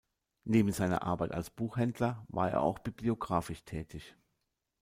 Neben seiner Arbeit als Buchhändler war er auch bibliographisch tätig.